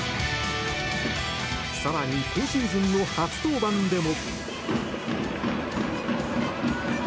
更に今シーズンの初登板でも。